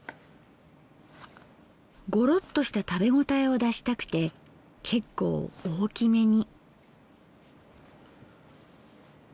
ゴロッとした食べ応えを出したくて結構大きめに。